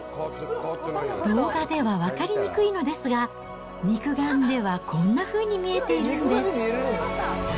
動画では分かりにくいのですが、肉眼ではこんなふうに見えているんです。